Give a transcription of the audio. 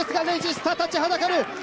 レジスタが立ちはだかる。